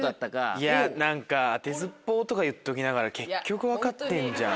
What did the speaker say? いや何か当てずっぽうとか言っときながら結局分かってんじゃん。